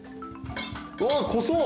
うわっ濃そう。